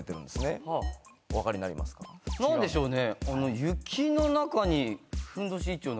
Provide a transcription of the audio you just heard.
何でしょうね？